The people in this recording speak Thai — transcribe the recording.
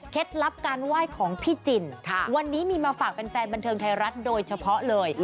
ลับการไหว้ของพี่จินวันนี้มีมาฝากแฟนบันเทิงไทยรัฐโดยเฉพาะเลย